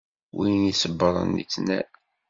Win iṣebṛen, ittnal.